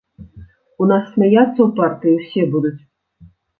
У нас смяяцца ў партыі ўсе будуць!